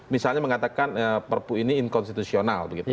misalnya mengatakan perpuh ini inkonstitusional